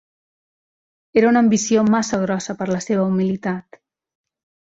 Era una ambició massa grossa per a la seva humilitat.